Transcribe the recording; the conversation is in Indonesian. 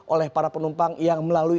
oleh para penumpang yang melalui